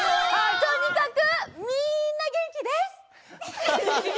とにかくみんなげんきです！